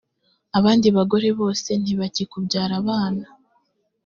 abandi bagore bose ntibaki kubyara abana